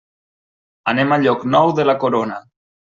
Anem a Llocnou de la Corona.